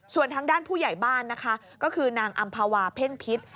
ส่วนทางด้านผู้ใหญ่บ้านนะคะก็คือนางอำภาวาเพ่งพิษ